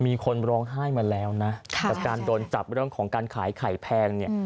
มีคนร้องไห้มาแล้วนะกับการโดนจับเรื่องของการขายไข่แพงเนี่ย